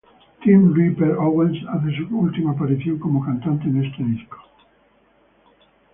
Tim "Ripper" Owens hace su última aparición como cantante en este disco.